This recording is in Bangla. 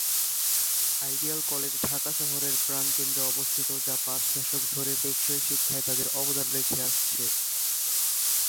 আইডিয়াল কলেজ ঢাকা শহরের প্রাণকেন্দ্রে অবস্থিত যা পাঁচ দশক ধরে টেকসই শিক্ষায় তার অবদান রেখে আসছে।